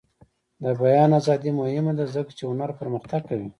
د بیان ازادي مهمه ده ځکه چې هنر پرمختګ کوي.